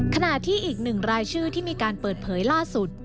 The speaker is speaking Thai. ขณะที่อีกหนึ่งรายชื่อที่มีการเปิดเผยล่าสุด